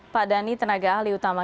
pak dhani tenaga ahli utama